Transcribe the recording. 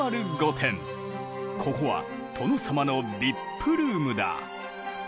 ここは殿様のＶＩＰルームだ。